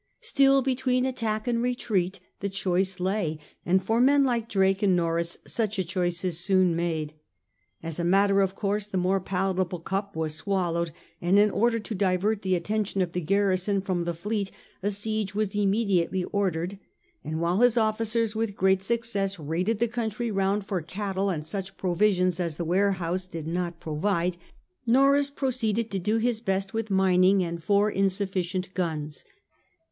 Still between attack and retreat the choice lay, and for men like Drake and Norreys such a choice is soon made. As a matter of course the more palatable cup was swallowed ; and in order to divert the attention of the garrison from the fleet a siege was immediately ordered, and while his officers with great success raided the country round for cattle and such provisions as the warehouses did not provide, Norreys proceeded to do his best with mining and four insufficient guns.